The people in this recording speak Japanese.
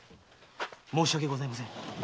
申し訳ございません。